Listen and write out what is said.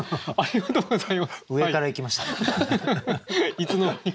いつの間にか。